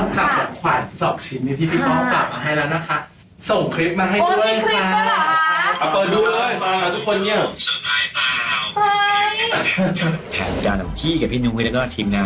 สวัสดีค่ะนอกจากขวาน๒ชิ้นนี้ที่พี่บ๊อคกลับมาให้แล้วนะคะ